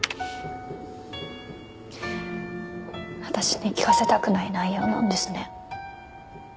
私に聞かせたくない内容なんですね。